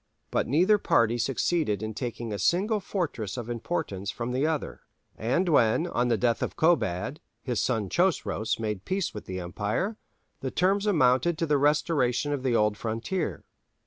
But neither party succeeded in taking a single fortress of importance from the other; and when, on the death of Kobad, his son Chosroës made peace with the empire, the terms amounted to the restoration of the old frontier.